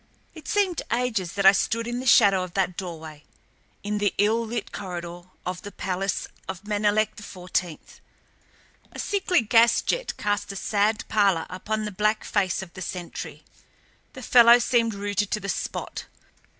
It seemed ages that I stood in the shadow of that doorway, in the ill lit corridor of the palace of Menelek XIV. A sickly gas jet cast a sad pallor upon the black face of the sentry. The fellow seemed rooted to the spot.